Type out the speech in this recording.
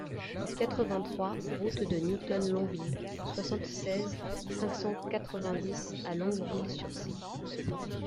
quatre-vingt-trois route de Newton Longville, soixante-seize, cinq cent quatre-vingt-dix à Longueville-sur-Scie